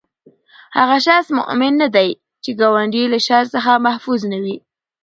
هغه شخص مؤمن نه دی، چې ګاونډی ئي له شر څخه محفوظ نه وي